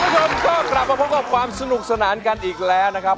คุณผู้ชมก็กลับมาพบกับความสนุกสนานกันอีกแล้วนะครับ